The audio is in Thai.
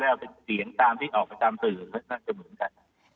แล้วเป็นเสียงตามที่ออกไปตามสื่อน่าจะเหมือนกัน